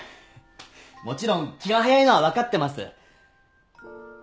もちろん気が早いのは分かってます。